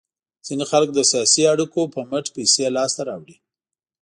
ځینې خلک د سیاسي اړیکو په مټ پیسې لاس ته راوړي.